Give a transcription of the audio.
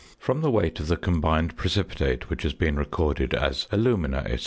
From the weight of the combined precipitate which has been recorded as "Alumina, &c.